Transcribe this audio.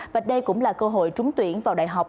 và đây cũng là cơ hội trúng tuyển vào đại học